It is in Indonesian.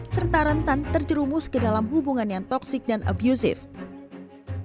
serta rentan terjerumus ke dalam hubungan yang toxic dan abusive